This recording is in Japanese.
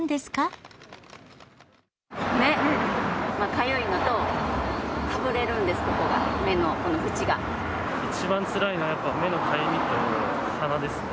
かゆいのと、かぶれるんです、ここが、一番つらいのはやっぱ、目のかゆみと鼻ですね。